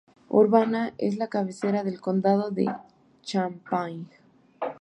Urbana es la cabecera del condado de Champaign.